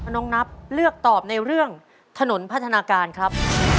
น้องนับเลือกตอบในเรื่องถนนพัฒนาการครับ